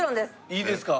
いいですか？